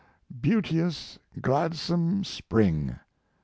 BEAUTIOUS, GLADSOME SPRING.